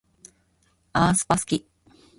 aespa すき